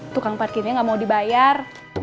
tukang parkirnya nggak mau dibayar